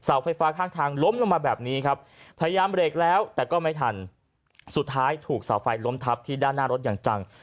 ไฟฟ้าข้างทางล้มลงมาแบบนี้ครับพยายามเบรกแล้วแต่ก็ไม่ทันสุดท้ายถูกเสาไฟล้มทับที่ด้านหน้ารถอย่างจัง